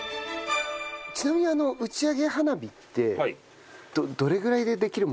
ちなみに打ち上げ花火ってどれぐらいでできるものなんですか？